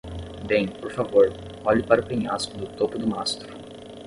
Bem, por favor, olhe para o penhasco do topo do mastro!